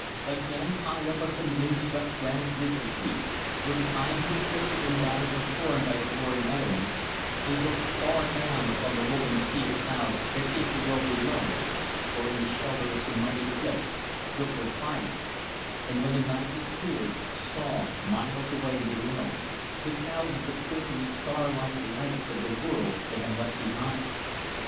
Again, high up on some wind swept granite ridge or peak, where the pines were twisted and battered and torn by the warring elements, they looked far down upon the rolling sea of clouds that hid the world below; or, in the shelter of some mighty cliff, built their fires; and, when the night was clear, saw, miles away and below, the thousands of twinkling star like lights of the world they had left behind.